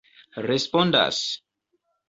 respondas